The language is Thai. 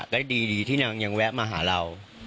ก็ดีที่น้องยังแวะมาหาเรา